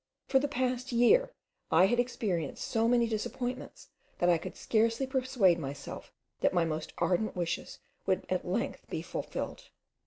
For a year past, I had experienced so many disappointments, that I could scarcely persuade myself that my most ardent wishes would be at length fulfilled.